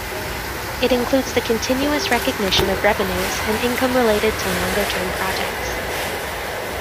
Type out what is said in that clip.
It includes the continuous recognition of revenues and income related to longer-term projects.